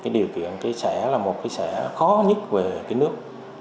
điều kiện sẽ là một xã khó nhất về nước